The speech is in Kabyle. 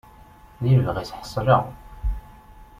Di lebɣi-s ḥeṣleɣ.